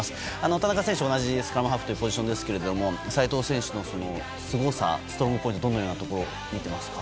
田中選手と同じスクラムハーフというポジションですが齋藤選手のすごさストロングポイントはどこに見ていますか？